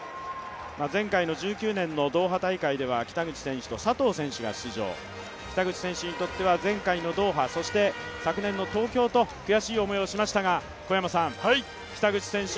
前回の１９年のドーハ大会では北口選手と佐藤選手が出場、北口選手にとっては前回のドーハ昨年の東京と悔しい思いをしましたが、北口選手